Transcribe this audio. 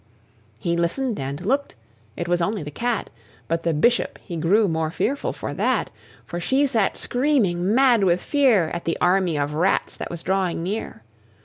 He listened and looked; it was only the cat: But the Bishop he grew more fearful for that; For she sat screaming, mad with fear At the army of Rats that was drawing near.